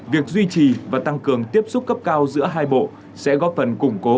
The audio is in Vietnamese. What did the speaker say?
việc duy trì và tăng cường tiếp xúc cấp cao giữa hai bộ sẽ góp phần củng cố